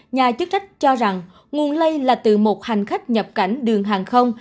nhà chức trách cho rằng nguồn lây là từ một hành khách nhập cảnh đường hàng không